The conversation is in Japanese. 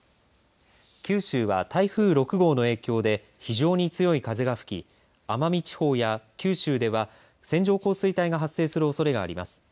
九州は台風６号の影響で非常に強い風が吹き奄美地方や九州では線状降水帯が発生するおそれがあります。